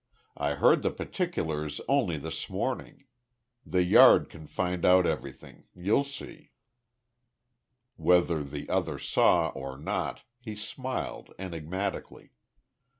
I heard the particulars only this morning. The Yard can find out everything, you see." Whether the other saw or not, he smiled, enigmatically.